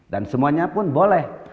dan semuanya pun boleh